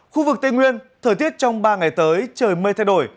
khu vực tây nguyên thời tiết trong ba ngày tới trời mây thay đổi